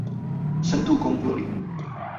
深度工作力